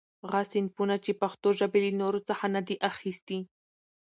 غه صنفونه، چي پښتوژبي له نورڅخه نه دي اخستي.